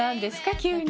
急に。